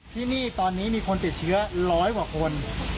ที่นี่ตอนนี้มีคนติดเชื้อร้อยกว่าคน